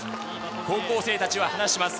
高校生たちは話します。